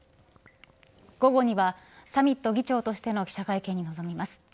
午後にはサミット議長としての記者会見に臨みます。